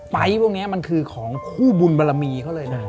ไฟล์พวกนี้มันคือของคู่บุญบารมีเขาเลยนะ